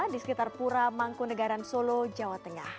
di sekitar pura mangkunagaran solo jawa tengah